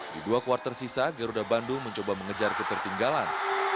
di dua kuartal sisa garuda bandung mencoba mengejar ketertinggalan